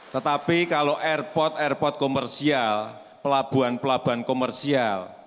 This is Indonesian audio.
tetapi kalau airport airport komersial pelabuhan pelabuhan komersial